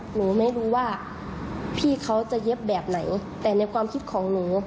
หนูไม่รู้ว่าพี่เขาจะเย็บแบบไหนแต่ในความคิดของหนู